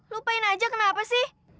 lupain aja kenapa sih